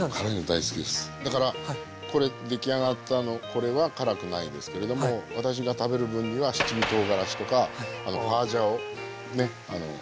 だからこれ出来上がったこれは辛くないですけれども私が食べる分には七味とうがらしとかホワジャオね